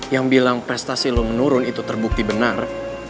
yang bilang prestasi lo menurun itu terbukti benar